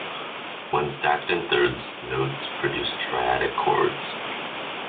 When stacked in thirds, notes produce triadic chords.